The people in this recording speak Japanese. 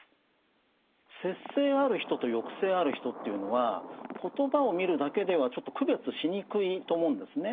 節制ある人と抑制ある人というのは言葉を見るだけではちょっと区別しにくいと思うんですね。